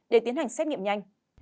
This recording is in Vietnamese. để tiến hành xét nghiệm nhanh